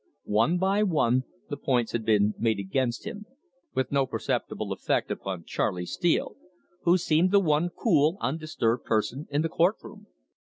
One by one the points had been made against him with no perceptible effect upon Charley Steele, who seemed the one cool, undisturbed person in the courtroom.